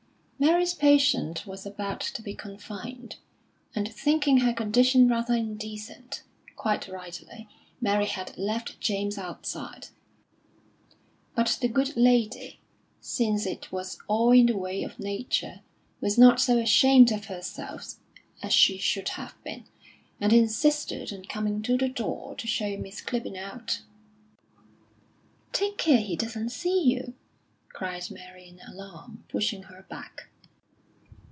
Mary's patient was about to be confined, and thinking her condition rather indecent, quite rightly, Mary had left James outside. But the good lady, since it was all in the way of nature, was not so ashamed of herself as she should have been, and insisted on coming to the door to show Miss Clibborn out. "Take care he doesn't see you!" cried Mary in alarm, pushing her back.